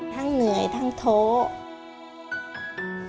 ทั้งเหนื่อยทั้งโทษ